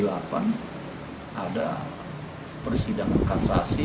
ada persidangan kasasi